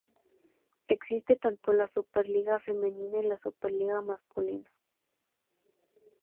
Existe tanto la Superliga femenina y la Superliga masculina.